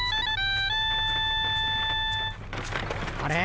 あれ？